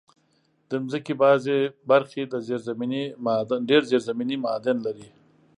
د مځکې بعضي برخې ډېر زېرزمینې معادن لري.